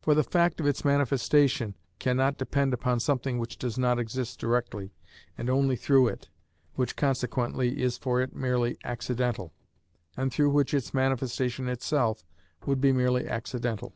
For the fact of its manifestation cannot depend upon something which does not exist directly and only through it, which consequently is for it merely accidental, and through which its manifestation itself would be merely accidental.